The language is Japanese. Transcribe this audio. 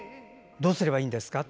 「どうすればいいんですか？」